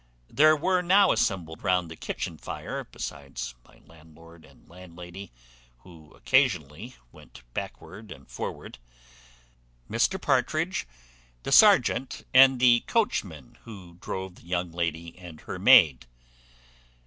There were now assembled round the kitchen fire, besides my landlord and landlady, who occasionally went backward and forward, Mr Partridge, the serjeant, and the coachman who drove the young lady and her maid.